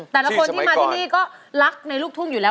แต่ละคนที่มาที่นี่ก็รักในลูกทุ่งอยู่แล้ว